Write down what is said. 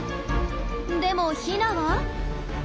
でもヒナは？